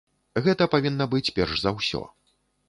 Гэта павінна быць перш за ўсё.